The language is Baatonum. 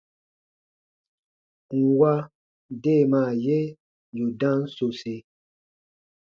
Nwa deemaa ye yù dam sosi.